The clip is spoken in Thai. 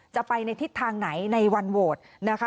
จะไปในทิศทางไหนในวันโหวตนะคะ